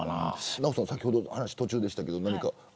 ナヲさん先ほど話途中でしたけど、何か。